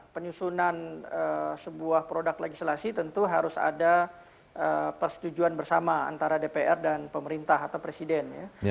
penyusunan sebuah produk legislasi tentu harus ada persetujuan bersama antara dpr dan pemerintah atau presiden ya